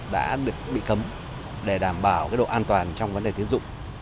đã được bị cấm để đảm bảo độ an toàn trong vấn đề tiến dụng